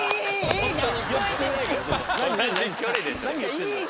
何言ってんの？